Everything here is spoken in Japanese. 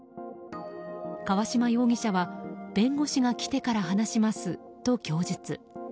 河嶌容疑者は弁護士が来てから話しますと供述。